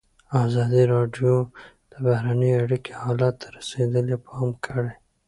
ازادي راډیو د بهرنۍ اړیکې حالت ته رسېدلي پام کړی.